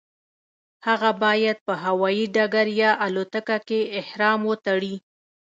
هغه باید په هوایي ډګر یا الوتکه کې احرام وتړي.